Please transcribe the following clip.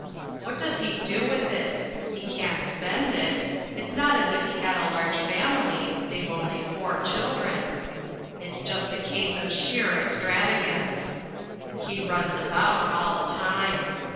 What does he do with it? He can't spend it. It's not as if he had a large family (they've only four children). It's just a case of sheer extravagance. He runs about all the time.